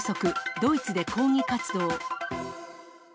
ドイツで抗議活動。